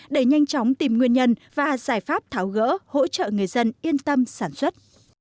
để nhanh chóng tìm nguyên nhân và giải pháp tháo gỡ hỗ trợ người dân yên tâm sản xuất